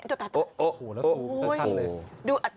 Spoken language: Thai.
เราซูอคักทั้งเลย